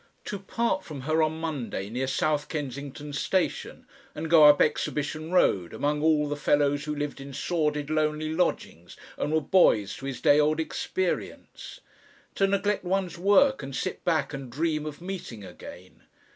To part from her on Monday near South Kensington station and go up Exhibition Road among all the fellows who lived in sordid, lonely lodgings and were boys to his day old experience! To neglect one's work and sit back and dream of meeting again!